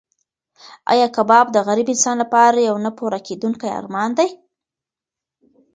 ایا کباب د غریب انسان لپاره یو نه پوره کېدونکی ارمان دی؟